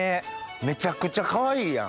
めちゃくちゃかわいいやん。